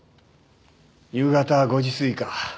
夕方５時過ぎか。